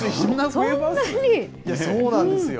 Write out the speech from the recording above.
そうなんですよ。